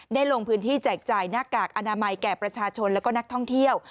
ลงพื้นที่แจกจ่ายหน้ากากอนามัยแก่ประชาชนและก็นักท่องเที่ยว